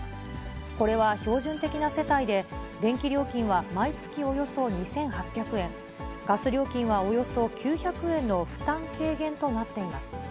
これは標準的な世帯で電気料金は毎月およそ２８００円、ガス料金はおよそ９００円の負担軽減となっています。